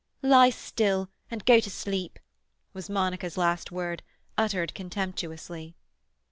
"Lie quiet and go to sleep," was Monica's last word, uttered contemptuously.